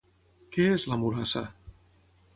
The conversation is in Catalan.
Què és La Mulassa?